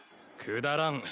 くだらん。